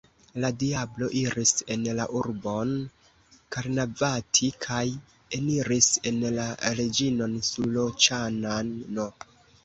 La diablo iris en la urbon Karnavati kaj eniris en la reĝinon Suloĉana'n.